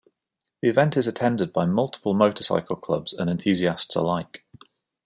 The event is attended by multiple motorcycle clubs and enthusiasts alike.